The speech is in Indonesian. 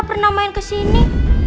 pernah main kesini